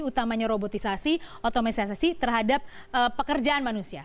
utamanya robotisasi otomatisasi terhadap pekerjaan manusia